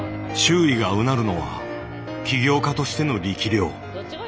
周囲がうなるのは起業家としての力量。